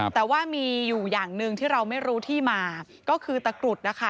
แต่ว่ามีอยู่อย่างหนึ่งที่เราไม่รู้ที่มา